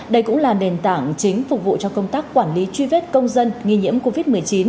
đây cũng là nền tảng chính phục vụ cho công tác quản lý truy vết công dân nghi nhiễm covid một mươi chín